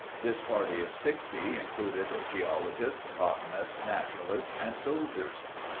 This party of 60 included geologists, botanists, naturalists, and soldiers.